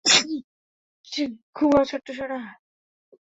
ঘুমাও, ছোট্ট সোনা।